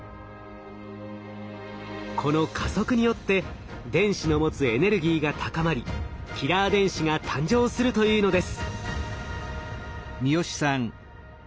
この加速によって電子の持つエネルギーが高まりキラー電子が誕生するというのです。